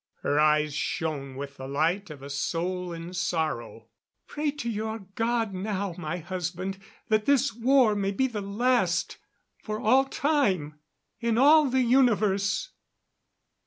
Her eyes shone with the light of a soul in sorrow. "Pray to your God now, my husband, that this war may be the last, for all time, in all the universe."